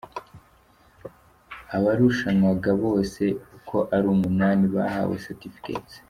Abarushanwaga bose uko ari umunani bahawe "Certificates".